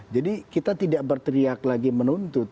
jadi kita tidak berteriak lagi menuntut